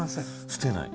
捨てない。